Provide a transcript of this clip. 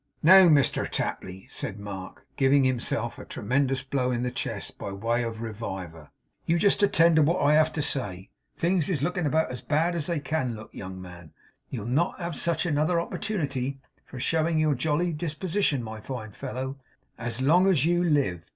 'Now, Mr Tapley,' said Mark, giving himself a tremendous blow in the chest by way of reviver, 'just you attend to what I've got to say. Things is looking about as bad as they CAN look, young man. You'll not have such another opportunity for showing your jolly disposition, my fine fellow, as long as you live.